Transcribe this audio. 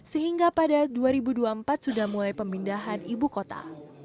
sehingga pada dua ribu dua puluh empat sudah mulai pemindahan ibu kota